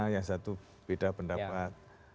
yang satu beda pendapat